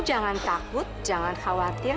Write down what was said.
jangan takut jangan khawatir